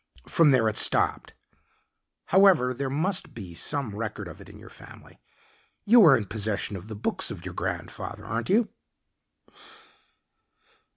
From there it stopped. However, there must be some record of it in your family. You are in possession of the books of your grandfather, aren't you?"